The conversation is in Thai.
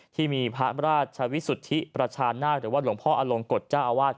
ที่มีพระราชวิสุทธิประชานาคหรือว่าหลวงพ่ออลงกฎเจ้าอาวาส